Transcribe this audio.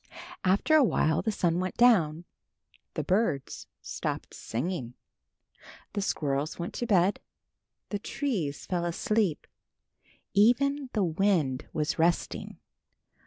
After a while the sun went down. The birds stopped singing. The squirrels went to bed. The trees fell asleep. Even the wind was resting.